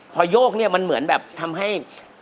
พอโยกเนี่ยมันเหมือนแบบทำให้